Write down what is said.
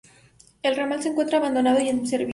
El ramal se encuentra abandonado y sin servicio.